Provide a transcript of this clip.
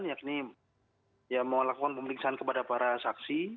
yakni melakukan pemeriksaan kepada para saksi